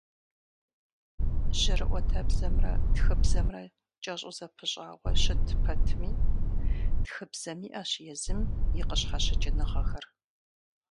Жьэрыӏуэтэбзэмрэ тхыбзэмрэ кӏэщӏу зэпыщӏауэ щыт пэтми, тхыбзэм иӏэщ езым и къыщхьэщыкӏыныгъэхэр.